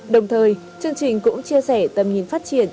đồng thời chương trình cũng chia sẻ tầm nhìn phát triển